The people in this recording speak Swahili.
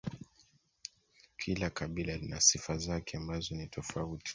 kila kabila lina sifa zake ambazo ni tofauti